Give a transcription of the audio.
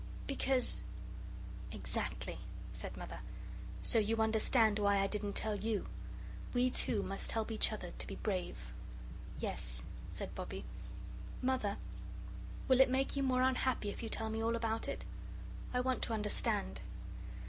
"Because " "Exactly," said Mother; "so you understand why I didn't tell you. We two must help each other to be brave." "Yes," said Bobbie; "Mother, will it make you more unhappy if you tell me all about it? I want to understand."